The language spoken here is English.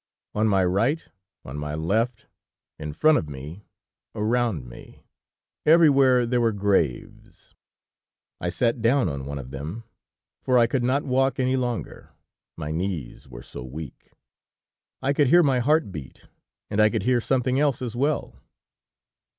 On my right, on my left, in front of me, around me, everywhere there were graves! I sat down on one of them, for I could not walk any longer, my knees were so weak. I could hear my heart beat! And I could hear something else as well.